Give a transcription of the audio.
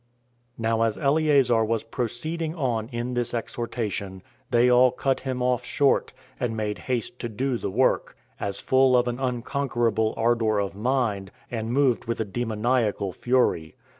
1. Now as Eleazar was proceeding on in this exhortation, they all cut him off short, and made haste to do the work, as full of an unconquerable ardor of mind, and moved with a demoniacal fury.